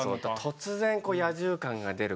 突然野獣感が出る